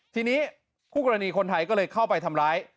ทีนี้คู่กรณีคนไทยก็เลยเข้าไปทำร้าย